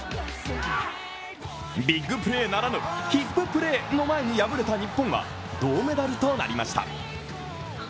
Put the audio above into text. ビッグプレーならぬヒッププレーの前に敗れた日本は銅メダルとなりました。